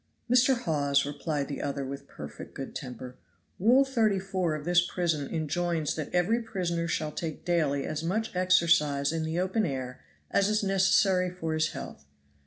"Mr. Hawes," replied the other with perfect good temper, "Rule 34 of this prison enjoins that every prisoner shall take daily as much exercise in the open air as is necessary for his health.